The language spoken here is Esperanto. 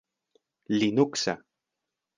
linuksa